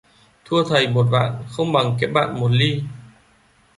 Thua thầy một vạn không bằng kém bạn một li